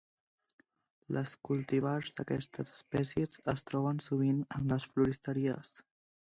Les cultivars d'aquestes espècies es troben sovint en les floristeries.